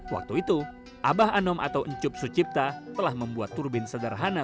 waktu itu abah anom atau encup sucipta telah membuat turbin sederhana